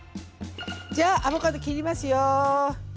じゃあアボカド切りますよ。